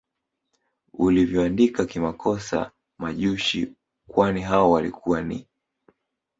ulivyoandika kimakosa Majushi kwani hao walikuwa ni